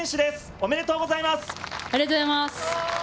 おめでとうございます。